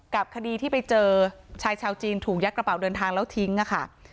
กับคดีที่ไปเจอชายชาวจีนถูกยัดกระเป๋าเดินทางแล้วทิ้งค่ะ